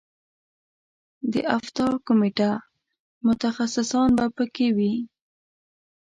د افتا کمیټه متخصصان به په کې وي.